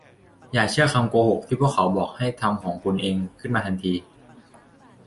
อย่าเชื่อคำโกหกที่พวกเขาบอก ให้ทำของคุณเองขึ้นมาแทน